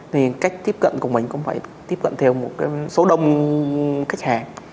thì cách tiếp cận của mình cũng phải tiếp cận theo một số đông khách hàng